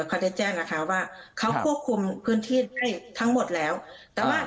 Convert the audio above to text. เขาได้แจ้งนะคะว่าเขาควบคุมพื้นที่ให้ทั้งหมดแล้วแต่ว่า